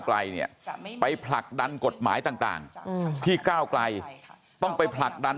ไกลเนี่ยไปผลักดันกฎหมายต่างที่ก้าวไกลต้องไปผลักดัน